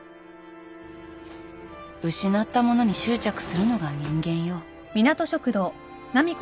失ったものに執着するのが人間よ。